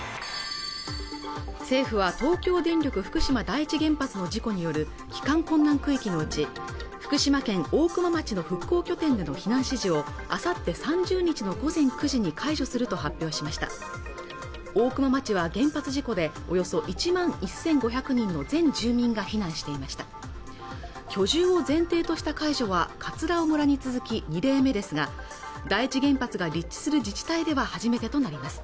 政府は東京電力福島第１原発の事故による帰還困難区域のうち福島県大熊町の復興拠点での避難指示をあさって３０日の午前９時に解除すると発表しました大熊町は原発事故でおよそ１万１５００人の全住民が避難していました居住を前提とした会社は葛尾村に続き２例目ですが第１原発が立地する自治体では初めてとなります